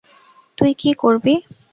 তুই কী করবি?